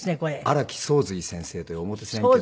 荒木宗瑞先生という表千家の。